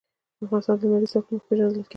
افغانستان د لمریز ځواک له مخې پېژندل کېږي.